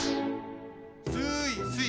すいすい！